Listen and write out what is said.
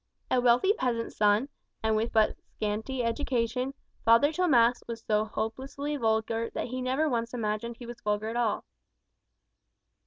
A wealthy peasant's son, and with but scanty education, Father Tomas was so hopelessly vulgar that he never once imagined he was vulgar at all.